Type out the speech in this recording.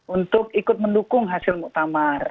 untuk ikut mendukung hasil muktamar